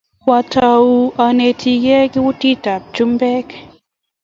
Kwatau anetegei kutitab chumbek